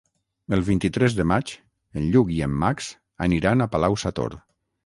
El vint-i-tres de maig en Lluc i en Max aniran a Palau-sator.